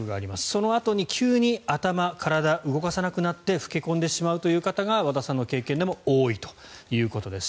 そのあとに急に頭、体を動かさなくなって老け込んでしまうという方が和田さんの経験でも多いということです。